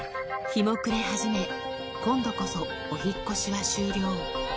日も暮れ始め、今度こそお引っ越しは終了。